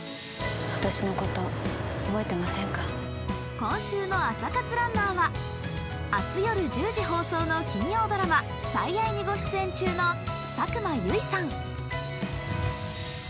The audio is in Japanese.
今週の朝活ランナーは、明日夜１０時放送の金曜ドラマ「最愛」にご出演中の佐久間由衣さん。